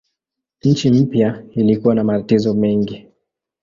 Nchi mpya ilikuwa na matatizo mengi.